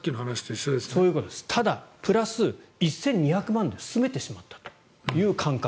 タダ、プラス１２００万円で住めてしまったという。